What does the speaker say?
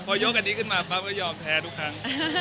พอยกอันนี้ขึ้นมาปั๊บก็ยอมแพ้ทุกครั้ง